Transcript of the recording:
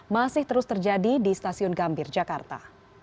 masih terus terjadi di stasiun gambir jakarta